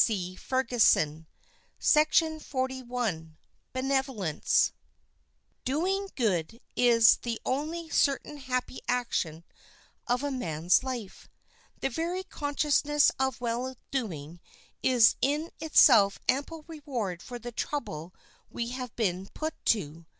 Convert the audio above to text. [Illustration: BENEVOLENCE.] Doing good is the only certain happy action of a man's life. The very consciousness of well doing is in itself ample reward for the trouble we have been put to.